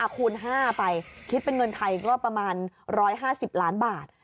คูณ๕ไปคิดเป็นเงินไทยก็ประมาณ๑๕๐ล้านบาท